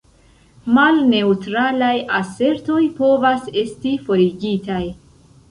Malneŭtralaj asertoj povas esti forigitaj.